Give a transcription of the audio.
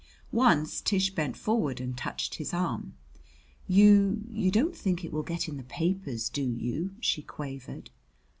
Once Tish bent forward and touched his arm. "You you don't think it will get in the papers, do you?" she quavered.